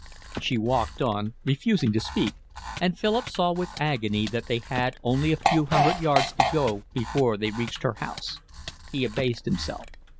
She walked on, refusing to speak, and Philip saw with agony that they had only a few hundred yards to go before they reached her house. He abased himself.